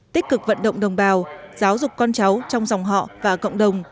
tích cực vận động đồng bào giáo dục con cháu trong dòng họ và cộng đồng